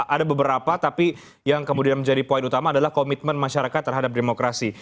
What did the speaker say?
ada beberapa tapi yang kemudian menjadi poin utama adalah komitmen masyarakat terhadap demokrasi